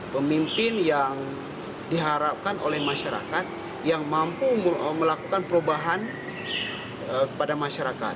pemimpin yang diharapkan oleh masyarakat yang mampu melakukan perubahan kepada masyarakat